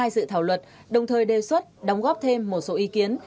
hai dự thảo luật đồng thời đề xuất đóng góp thêm một số ý kiến